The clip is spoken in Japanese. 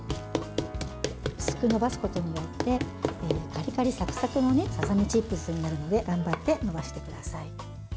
薄くのばすことによってカリカリ、サクサクのささみチップスになるので頑張ってのばしてください。